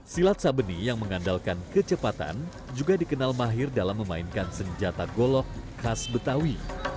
silat sabeni yang mengandalkan kecepatan juga dikenal mahir dalam memainkan senjata golok khas betawi